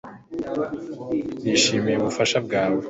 nishimiye ubufasha bwawe